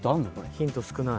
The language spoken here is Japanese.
・ヒント少ない。